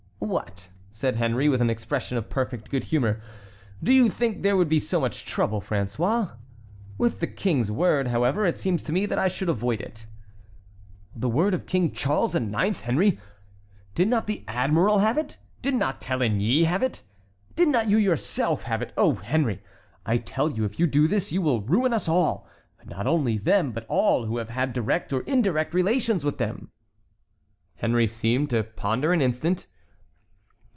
"What!" said Henry, with an expression of perfect good humor, "do you think there would be so much trouble, François? With the King's word, however, it seems to me that I should avoid it." "The word of King Charles IX., Henry! Did not the admiral have it? Did not Téligny have it? Did not you yourself have it? Oh, Henry, I tell you if you do this, you will ruin us all. Not only them, but all who have had direct or indirect relations with them." Henry seemed to ponder an instant.